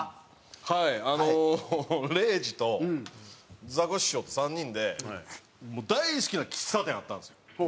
はいあの礼二とザコシショウと３人で大好きな喫茶店あったんですよ。